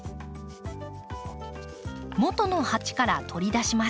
もとの鉢から取り出します。